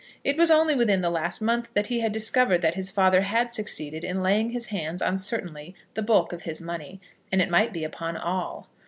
It was only within the last month that he had discovered that his father had succeeded in laying his hands on certainly the bulk of his money, and it might be upon all.